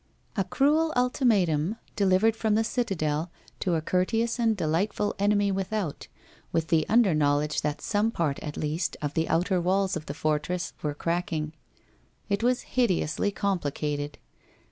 A cruel ultimatum, de livered from the citadel, to a courteous and delightful enemy without, with the underknowledge that some part, at least, of the outer walls of the fortress were cracking. It was hideously complicated.